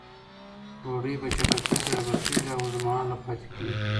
ډوډۍ په چټکۍ سره پخیږي او اوږد مهاله پاتې کېږي.